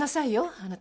あなた！